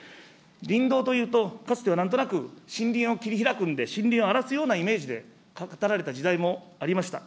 林道というと、かつてはなんとなく森林を切り開くんで、森林を荒らすようなイメージで語られた時代もありました。